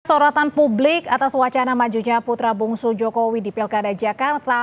sorotan publik atas wacana majunya putra bungsu jokowi di pilkada jakarta